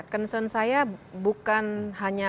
concern saya bukan hanya